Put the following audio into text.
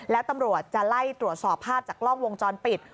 แล้วตำรวจจะไล่ตรวจสอบภาพจากกล้องวงจรปิด